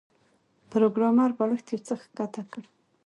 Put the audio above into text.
پروګرامر بالښت یو څه ښکته کړ